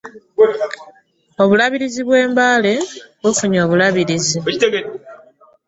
Obulabirizi bw'embaaale bufunye omulabirizi.